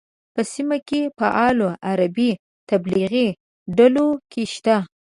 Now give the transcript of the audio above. په سیمه کې فعالو عربي تبلیغي ډلو کې شته.